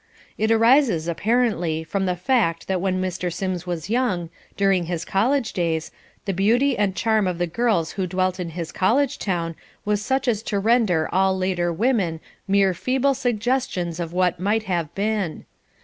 It arises, apparently, from the fact that when Mr. Sims was young, during his college days, the beauty and charm of the girls who dwelt in his college town was such as to render all later women mere feeble suggestions of what might have been.